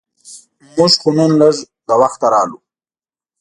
مونږ خو نن لږ وخته راغلو.